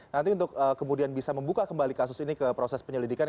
nanti untuk kemudian bisa membuka kembali kasus ini ke proses penyelidikan